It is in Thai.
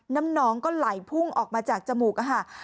น้ำน้องก็ไหลพุ่งออกมาจากจมูก